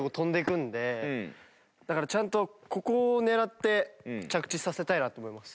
だからちゃんとここを狙って着地させたいなと思います。